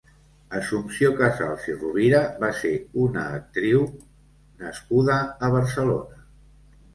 Assumpció Casals i Rovira va ser una actriu nascuda a Barcelona.